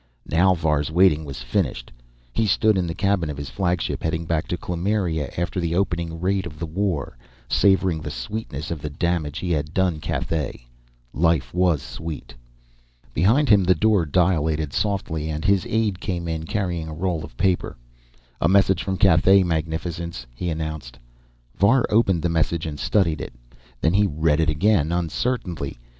Now Var's waiting was finished. He stood in the cabin of his flagship, heading back to Kloomiria after the opening raid of the war, savoring the sweetness of the damage he had done Cathay. Life was sweet. Behind him, the door dilated softly and his aide came in, carrying a roll of paper. "A message from Cathay, magnificence," he announced. Var opened the message and studied it. Then he read it again, uncertainly.